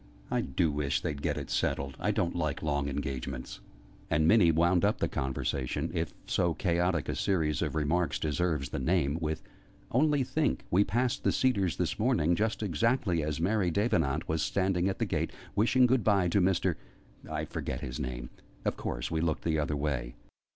"I do wish they'd get it settled! I don't like long engagements." And Minnie wound up the conversation if so chaotic a series of remarks deserves the name with "Only think! We passed the Cedars this morning, just exactly as Mary Davenant was standing at the gate, wishing good bye to Mister I forget his name. Of course we looked the other way."